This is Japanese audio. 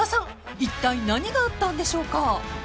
［いったい何があったんでしょうか？］